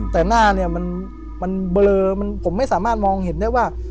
แต่หน้าเนี่ยมันเบลอผมไม่สามารถมองเห็นได้ว่า